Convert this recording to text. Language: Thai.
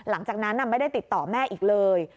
หลังจากนั้นไม่ได้ติดต่อแม่อีกเลย